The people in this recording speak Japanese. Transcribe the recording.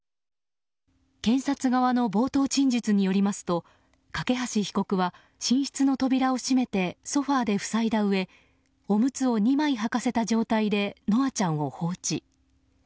検察側の冒頭陳述によりますと梯被告は寝室の扉を閉めてソファで塞いだうえおむつを２枚はかせた状態で稀華ちゃんを放置。